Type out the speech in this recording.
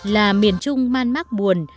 là miền trung man mát buồn